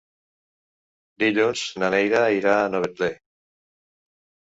Dilluns na Neida irà a Novetlè.